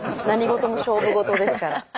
何ごとも勝負ごとですから。